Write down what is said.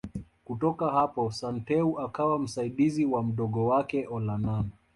Kutoka hapo Santeu akawa msaidizi wa Mdogo wake Olonana